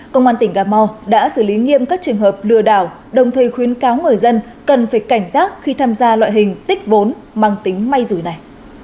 công an tỉnh cà mau đã xử lý nghiêm các trường hợp lừa đảo đồng thời khuyến cáo người dân cần phải cảnh giác khi tham gia loại hình tích vốn mang tính may rủi này